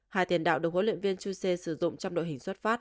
hai tiền đạo được huấn luyện viên chuse sử dụng trong đội hình xuất phát